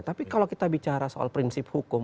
tapi kalau kita bicara soal prinsip hukum